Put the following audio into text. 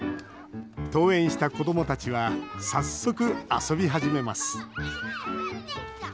登園した子どもたちは早速、遊び始めます。